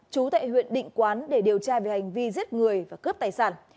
chú tại huyện định quán để điều tra về hành vi giết người và cướp tài sản